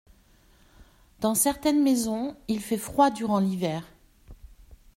Dans certaines maisons il fait froid durant l’hiver.